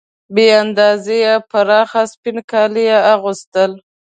بې اندازې پراخ سپین کالي یې اغوستل.